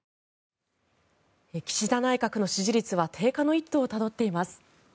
岸田内閣の支持率は低下の一途をたどっています。